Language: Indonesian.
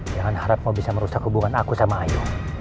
jangan harapmu bisa merusak hubungan aku sama ayu